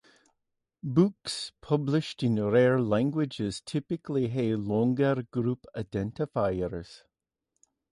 Books published in rare languages typically have longer group identifiers.